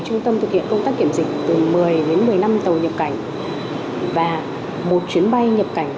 trung tâm thực hiện công tác kiểm dịch từ một mươi đến một mươi năm tàu nhập cảnh và một chuyến bay nhập cảnh